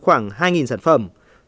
khoảng hai sản phẩm